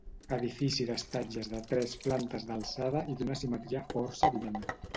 Edifici d'estatges de tres plantes d'alçada i d'una simetria força evident.